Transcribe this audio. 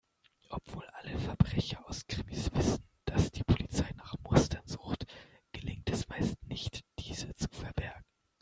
Obwohl alle Verbrecher aus Krimis wissen, dass die Polizei nach Mustern sucht, gelingt es meist nicht, diese zu verbergen.